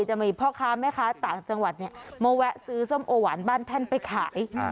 จะมีพ่อค้าแม่ค้าต่างจังหวัดมาแวะซื้อส้มโอหวานบ้านแท่นไปขาย